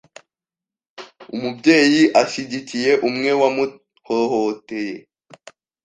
umubyeyi ashyigikiye umwe wamuhohoteye.